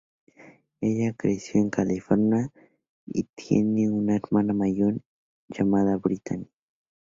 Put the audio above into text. Ella creció en California y tiene una hermana mayor llamada Brittany.